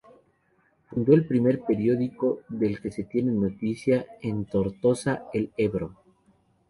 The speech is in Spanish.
Fundó el primer periódico del que se tiene noticia en Tortosa, "El Ebro".